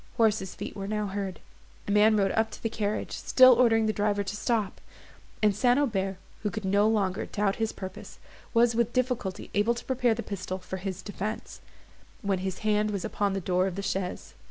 Horses' feet were now heard; a man rode up to the carriage, still ordering the driver to stop; and St. Aubert, who could no longer doubt his purpose, was with difficulty able to prepare a pistol for his defence, when his hand was upon the door of the chaise.